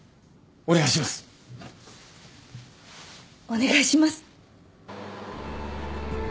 お願いします。